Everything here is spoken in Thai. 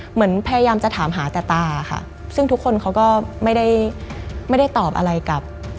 เหมือนพยายามจะถามหาแต่ตาค่ะซึ่งทุกคนเขาก็ไม่ได้ไม่ได้ตอบอะไรกับ